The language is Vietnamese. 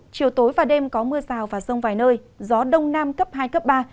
chiều tối và đêm có mưa rào và rông vài nơi gió đông nam cấp hai cấp ba